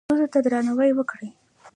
ښځو ته درناوی وکړئ